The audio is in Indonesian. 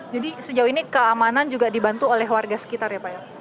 jadi sejauh ini keamanan juga dibantu oleh warga sekitar ya pak